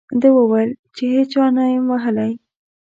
ده وویل چې هېچا نه یم ووهلی.